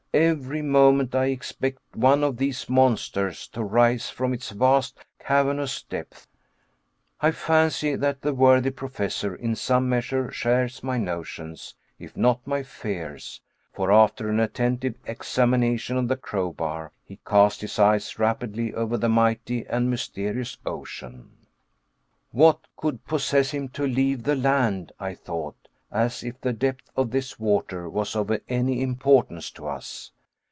Every moment I expect one of these monsters to rise from its vast cavernous depths. I fancy that the worthy Professor in some measure shares my notions, if not my fears, for, after an attentive examination of the crowbar, he cast his eyes rapidly over the mighty and mysterious ocean. "What could possess him to leave the land," I thought, "as if the depth of this water was of any importance to us.